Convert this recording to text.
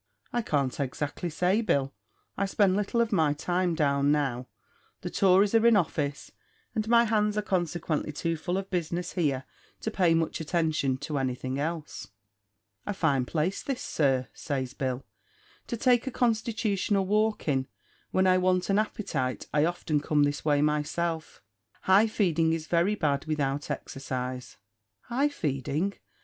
"I can't exactly say, Bill; I spend little of my time down now; the Tories are in office, and my hands are consequently too full of business here to pay much attention to anything else." "A fine place this, sir," says Bill, "to take a constitutional walk in; when I want an appetite I often come this way myself hem! High feeding is very bad without exercise." "High feeding!